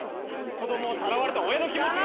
子供をさらわれた親の気持ちが。